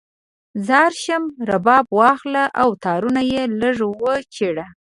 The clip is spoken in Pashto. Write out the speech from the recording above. ځار شم، رباب واخله او تارونه یې لږ وچیړه